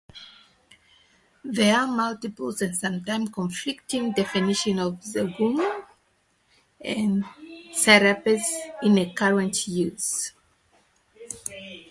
There are multiple and sometimes conflicting definitions for zeugma and syllepsis in current use.